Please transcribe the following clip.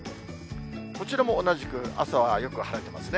こちらも同じく、朝はよく晴れてますね。